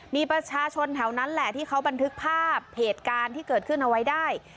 มีประชาชนแถวนั้นแหละที่เขาบันทึกภาพเหตุการณ์ที่เกิดขึ้นเอาไว้ได้